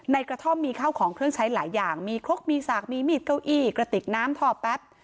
กระท่อมมีข้าวของเครื่องใช้หลายอย่างมีครกมีสากมีมีดเก้าอี้กระติกน้ำท่อแป๊บ